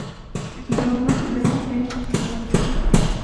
Leonard "Len" H. Tower Jr.